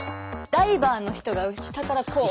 ダイバーの人が下からこう。